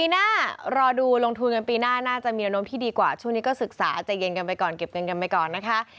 โน้มที่ดีกว่าช่วงนี้ก็ศึกษาใจเย็นกันไปก่อนเก็บเงินกันไปก่อนนะคะ